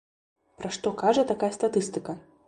Пра што кажа такая статыстыка?